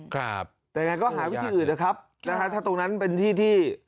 แต่อย่างนั้นก็หาที่อื่นนะครับถ้าตรงนั้นเป็นที่ที่